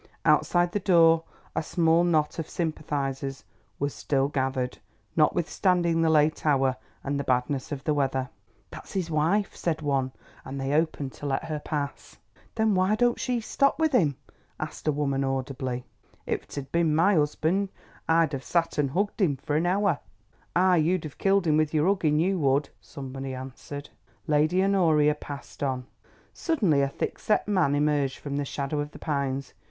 Outside the door a small knot of sympathisers was still gathered, notwithstanding the late hour and the badness of the weather. "That's his wife," said one, and they opened to let her pass. "Then why don't she stop with him?" asked a woman audibly. "If it had been my husband I'd have sat and hugged him for an hour." "Ay, you'd have killed him with your hugging, you would," somebody answered. Lady Honoria passed on. Suddenly a thick set man emerged from the shadow of the pines.